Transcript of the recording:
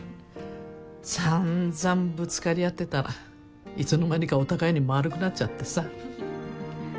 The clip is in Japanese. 散々ぶつかり合ってたらいつの間にかお互いにまるくなっちゃってさ。